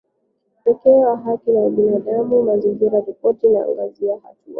Pekee wa Haki za Kibinadamu na Mazingira Ripoti inaangazia hatua